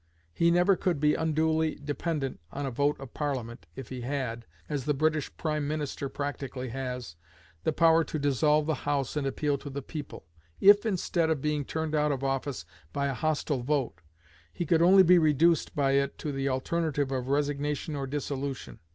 He never could be unduly dependent on a vote of Parliament if he had, as the British prime minister practically has, the power to dissolve the House and appeal to the people; if, instead of being turned out of office by a hostile vote, he could only be reduced by it to the alternative of resignation or dissolution.